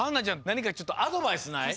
なにかちょっとアドバイスない？